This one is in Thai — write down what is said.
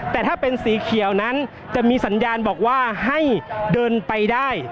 แต่ถ้าเป็นสีเขียวนั้นจะมีสัญญาณบอกว่าให้เดินไปได้